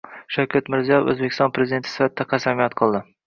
Shavkat Mirziyoyev O‘zbekiston Prezidenti sifatida qasamyod qildi